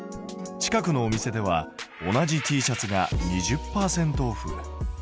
近くのお店では同じＴシャツが２０％オフ。